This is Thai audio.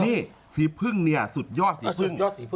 นี่สีพึ่งเนี่ยสุดยอดสีพึ่ง